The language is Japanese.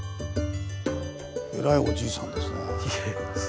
偉いおじいさんですね。